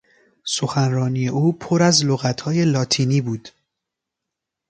سخنرانی او پر از لغتهای لاتینی بود.